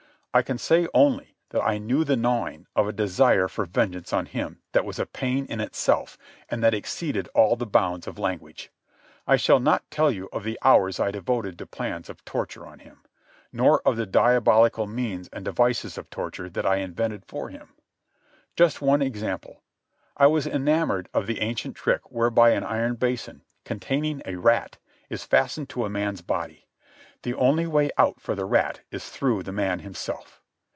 I can say only that I knew the gnawing of a desire for vengeance on him that was a pain in itself and that exceeded all the bounds of language. I shall not tell you of the hours I devoted to plans of torture on him, nor of the diabolical means and devices of torture that I invented for him. Just one example. I was enamoured of the ancient trick whereby an iron basin, containing a rat, is fastened to a man's body. The only way out for the rat is through the man himself.